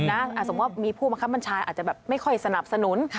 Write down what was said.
สมมุติมีผู้บังคับบัญชาอาจจะแบบไม่ค่อยสนับสนุน